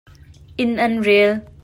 Inn an rel.